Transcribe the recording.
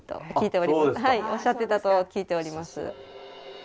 はいおっしゃっていたと聞いております。